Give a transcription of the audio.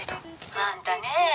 あんたねえ